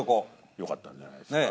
よかったんじゃないですか。